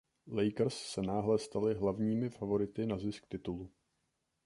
Lakers se náhle staly hlavními favority na zisk titulu.